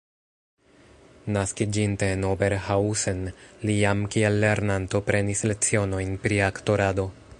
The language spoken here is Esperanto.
Naskiĝinte en Oberhausen, li jam kiel lernanto prenis lecionojn pri aktorado.